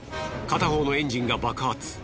片方のエンジンが爆発。